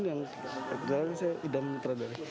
yang sekarang saya tidak menutradari